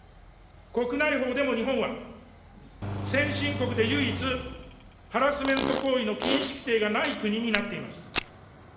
国内法でも日本は、先進国で唯一、ハラスメント行為の禁止規定がない国になっています。